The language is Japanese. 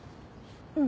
うん。